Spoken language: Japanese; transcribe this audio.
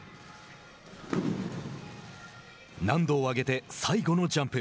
難度を上げて最後のジャンプ。